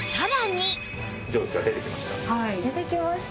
蒸気が出てきました。